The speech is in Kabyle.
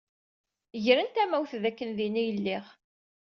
Gren tamawt dakken din ay lliɣ.